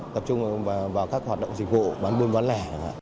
tập trung vào các hoạt động dịch vụ bán bươn bán lẻ